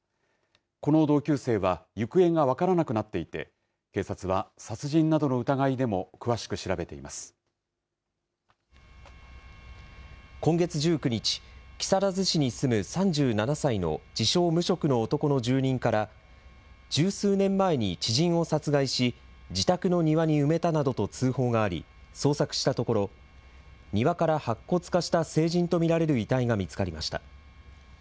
この同級生は行方が分からなくなっていて警察は殺人などの疑いでも今月１９日木更津市に住む３７歳の自称無職の男の住人から１０数年前に知人を殺害し自宅の庭に埋めたなどと通報があり捜索したところ庭から白骨化した成人と見られる遺体が見つかりました。